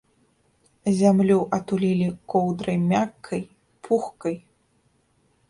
Зямлю атулілі коўдрай мяккай, пухкай.